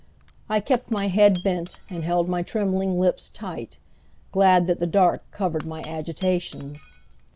I kept my head bent and held my trembling lips tight, glad that the dark covered my agitations.